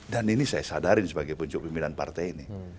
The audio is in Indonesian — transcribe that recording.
dan ini saya sadarin sebagai pencukup pimpinan partai ini